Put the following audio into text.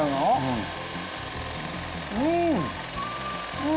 うん！